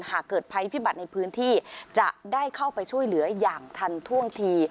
หากเกิดภัยพิบัติในพื้นที่จะได้เข้าไปช่วยเหลืออย่างทันท่วงที